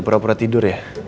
kamu nggak pernah tidur ya